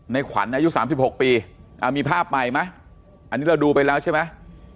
ขวัญอายุ๓๖ปีมีภาพใหม่ไหมอันนี้เราดูไปแล้วใช่ไหม